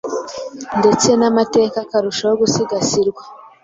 ndetse n’amateka akarushaho gusigasirwa,